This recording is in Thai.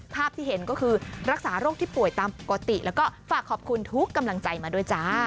ภาพที่เห็นก็คือรักษาโรคที่ป่วยตามปกติแล้วก็ฝากขอบคุณทุกกำลังใจมาด้วยจ้า